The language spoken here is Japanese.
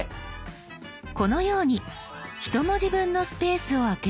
このように１文字分のスペースを空ける場合。